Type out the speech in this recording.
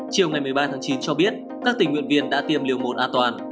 chiều ngày một mươi ba tháng chín cho biết các tình nguyện viên đã tiêm liều một an toàn